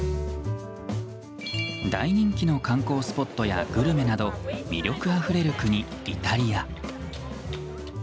大人気の観光スポットやグルメなど魅力あふれる国、イタリア。